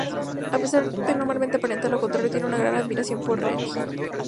A pesar de normalmente aparentar lo contrario tiene una gran admiración por Renji.